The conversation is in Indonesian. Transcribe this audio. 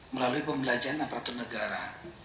melalui pembelajaran aparatur negara